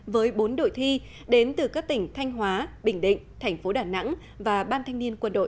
với bốn đội thi đến từ các tỉnh thanh hóa bình định thành phố đà nẵng và ban thanh niên quân đội